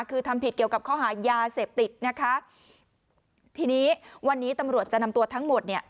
คือทำผิดเกี่ยวกับข้อหายาเสพติดนะคะทีนี้วันนี้ตำรวจจะนำตัวทั้งหมดเนี่ย